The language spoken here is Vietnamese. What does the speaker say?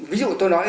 ví dụ tôi nói